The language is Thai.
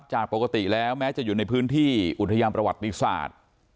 จากปกติแล้วแม้จะอยู่ในพื้นที่อุทยานประวัติศาสตร์